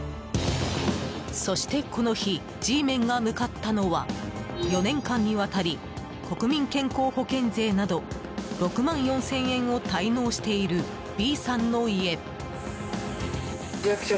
そしてこの日Ｇメンが向かったのは４年間にわたり国民健康保険税など６万４０００円を滞納しているＢさんの家。